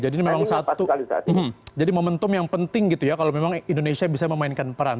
jadi ini memang satu jadi momentum yang penting gitu ya kalau memang indonesia bisa memainkan peran